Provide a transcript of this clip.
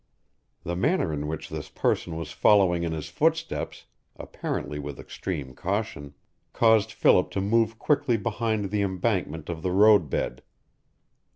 The manner in which this person was following in his footsteps, apparently with extreme caution, caused Philip to move quickly behind the embankment of the road bed.